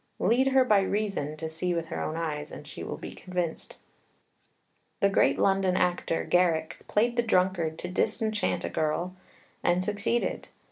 Lead her by reason to see with her own eyes, and she will be convinced. The great London actor, Garrick, played the drunkard to disenchant a girl, and succeeded.